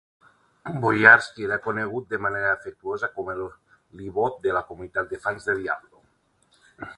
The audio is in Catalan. Boyarsky era conegut de manera afectuosa com a LeBo a la comunitat de fans de Diablo.